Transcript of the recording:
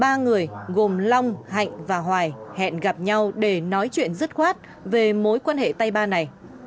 tại chỗ hẹn giữa họ đã xảy ra một lần hạnh và hoài đã gặp nhau để nói chuyện dứt khoát về mối quan hệ tay ba này